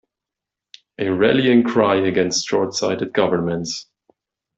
A rallying cry against shortsighted governments.